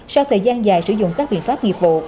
sau thời gian dài sử dụng các biện pháp nghiệp vụ